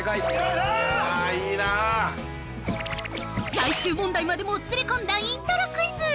◆最終問題までもつれ込んだイントロクイズ。